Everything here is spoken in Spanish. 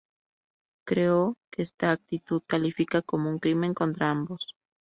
Creo que esta actitud califica como un crimen contra ambos.